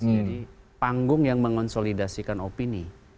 ini adalah panggung yang mengonsolidasikan opini